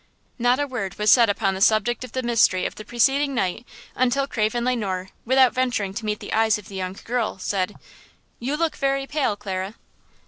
Not a word was said upon the subject of the mystery of the preceding night until Craven Le Noir, without venturing to meet the eyes of the young girl, said: "You look very pale, Clara."